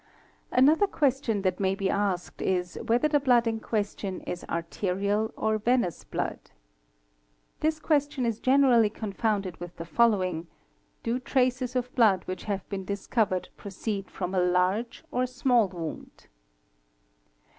Another question that may be asked is whether the blood in question — is arterial or venous blood? This question is generally confounded with the following: '' Do traces of blood which have been discovered proceed from a large or small wound?"